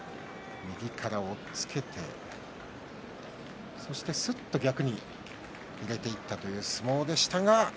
右から押っつけてそして、すっと逆に入れていったという相撲でしたが。